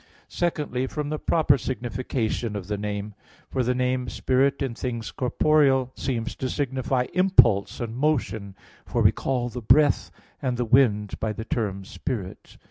Secondly, from the proper signification of the name. For the name spirit in things corporeal seems to signify impulse and motion; for we call the breath and the wind by the term spirit.